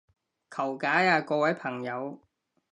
求解啊各位朋友